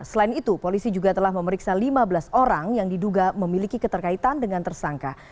selain itu polisi juga telah memeriksa lima belas orang yang diduga memiliki keterkaitan dengan tersangka